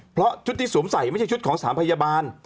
เพราะชุดที่สวมใส่ไม่ใช่ชุดของสถานพยาบาล